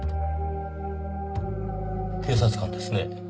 警察官ですね。